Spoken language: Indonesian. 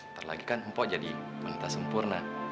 ntar lagi kan empok jadi wanita sempurna